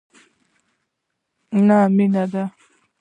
نه مینه ده،